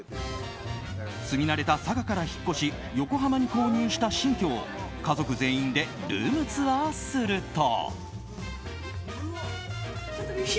住み慣れた佐賀から引っ越し横浜に購入した新居を家族全員でルームツアーすると。